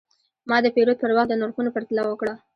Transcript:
ما د پیرود پر وخت د نرخونو پرتله وکړه.